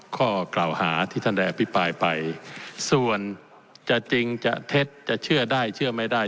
ข้อกล่าวหาที่ท่านได้อภิปรายไปส่วนจะจริงจะเท็จจะเชื่อได้เชื่อไม่ได้